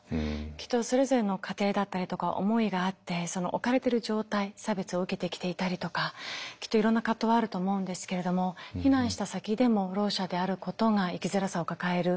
きっとそれぞれの家庭だったりとか思いがあってその置かれてる状態差別を受けてきていたりとかきっといろんな葛藤はあると思うんですけれども避難した先でもろう者であることが生きづらさを抱える。